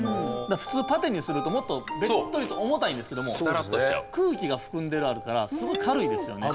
普通パテにするともっとべっとりと重たいんですけども空気が含んであるからすごい軽いですよね。